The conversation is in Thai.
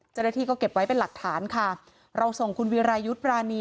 เจ้าหน้าที่ก็เก็บไว้เป็นหลักฐานค่ะเราส่งคุณวิรายุทธ์ปรานี